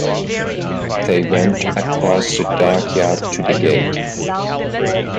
They went across the dark yard to the gate.